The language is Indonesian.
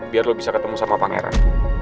biar lo bisa ketemu sama pangeran